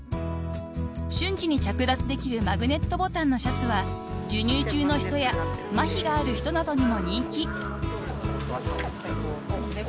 ［瞬時に着脱できるマグネットボタンのシャツは授乳中の人やまひがある人などにも人気］